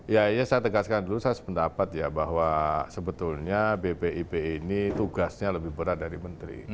ya iya saya tegaskan dulu saya sependapat ya bahwa sebetulnya bpip ini tugasnya lebih berat dari menteri